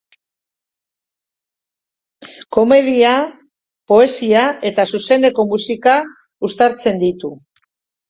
Komedia, poesia eta zuzeneko musika uztartzen ditu.